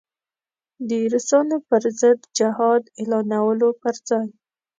د روسانو پر ضد جهاد اعلانولو پر ځای.